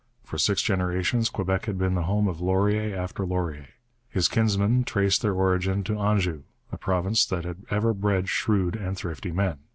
For six generations Quebec had been the home of Laurier after Laurier. His kinsmen traced their origin to Anjou, a province that ever bred shrewd and thrifty men.